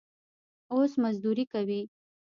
اوس مزدوري کوي.